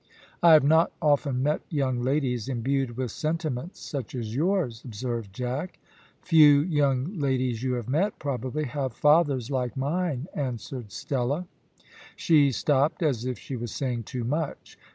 "I have not often met young ladies imbued with sentiments such as yours," observed Jack. "Few young ladies you have met, probably, have fathers like mine," answered Stella. She stopped as if she was saying too much.